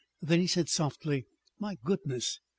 Then he said softly: "My goodness!